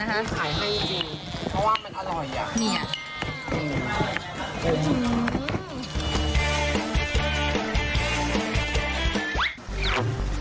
ขายให้จริงเพราะว่ามันอร่อยอ่ะเนี่ยอื้อจริง